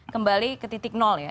kembali ke titik nol ya